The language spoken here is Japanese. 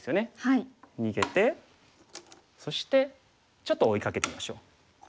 逃げてそしてちょっと追いかけてみましょう。